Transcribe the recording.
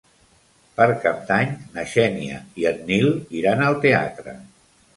Per Cap d'Any na Xènia i en Nil iran al teatre.